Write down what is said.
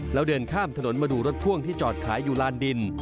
แล้วเดินข้ามถนนมาดูรถพ่วงที่จอดขายอยู่ลานดิน